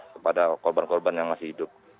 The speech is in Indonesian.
kepada korban korban yang masih hidup